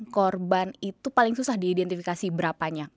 korban itu paling susah diidentifikasi berapanya